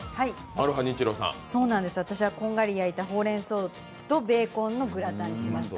こんがりと焼いたほうれん草とベーコンのグラタンにしました。